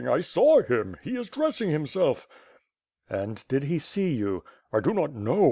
I saw him. He is dressing himself." "And did he see you?" "I do not know.